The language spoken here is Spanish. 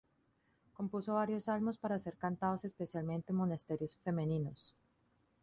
Compuso varios salmos para ser cantados especialmente en monasterios femeninos.